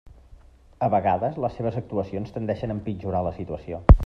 A vegades les seves actuacions tendeixen a empitjorar la situació.